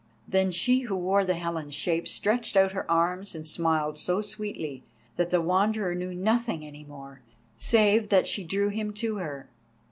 Then she who wore the Helen's shape stretched out her arms and smiled so sweetly that the Wanderer knew nothing any more, save that she drew him to her.